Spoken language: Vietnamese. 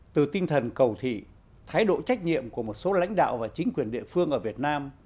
từ tinh thần cầu thị thái độ trách nhiệm của một số lãnh đạo và chính quyền địa phương ở việt nam